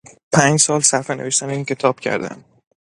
پنج سال صرف نوشتن این کتاب کردهام.